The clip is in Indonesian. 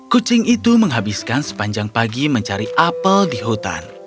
kucing itu menghabiskan sepanjang pagi mencari apel di hutan